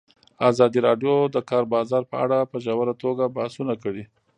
ازادي راډیو د د کار بازار په اړه په ژوره توګه بحثونه کړي.